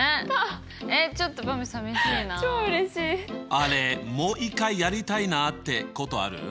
あれもう一回やりたいなってことある？